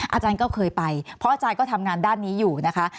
อาจารย์ก็เคยไปเพราะอาจารย์ก็ทำงานด้านนี้อยู่นะคะ